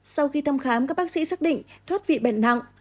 sau khi thăm khám các bác sĩ xác định thoát vị bệnh nặng